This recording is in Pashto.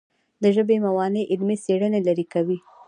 د ژبې موانع علمي څېړنې لیرې کوي.